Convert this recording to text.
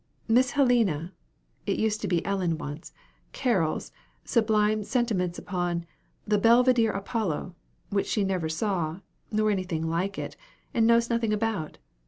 Miss Helena (it used to be Ellen once) Carrol's sublime sentiments upon 'The Belvidere Apollo,' which she never saw, nor anything like it, and knows nothing about.